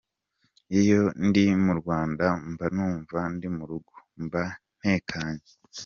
Iyo ndi mu Rwanda mba numva ndi mu rugo, mba ntekanye.